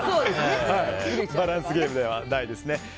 バランスゲームではないですね。